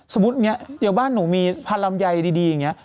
สมมุติเนี่ยเดี๋ยวบ้านหนูมีพันธุ์ลำไยดีอย่างเนี่ย